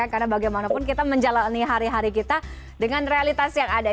karena bagaimanapun kita menjalani hari hari kita dengan realitas yang ada